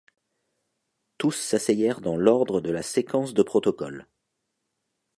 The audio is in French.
Tous s'asseyèrent dans l'ordre de la séquence de protocole.